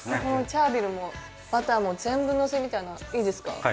このチャービルもバターも全部のせみたいないいですか？